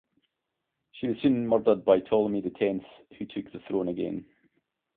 She was soon murdered by Ptolemy the Tenth, who took the throne again.